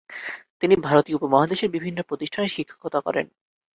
তিনি ভারতীয় উপমহাদেশের বিভিন্ন প্রতিষ্ঠানে শিক্ষকতা করেন।